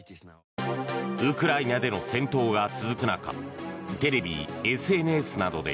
ウクライナでの戦闘が続く中テレビ、ＳＮＳなどで